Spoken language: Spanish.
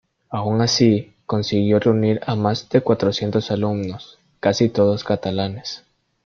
Aun así consiguió reunir a más de cuatrocientos alumnos, casi todos catalanes.